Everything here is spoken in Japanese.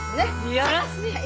よろしい！